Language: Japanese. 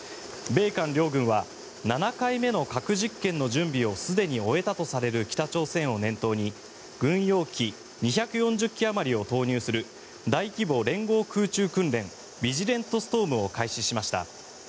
米韓両軍は７回目の核実験の準備をすでに終えたとされる北朝鮮を念頭に軍用機２４０機あまりを投入する大規模連合空中訓練ビジレントストームを開始しました。